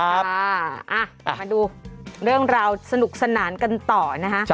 มาดูเรื่องราวสนุกสนานกันต่อนะคะ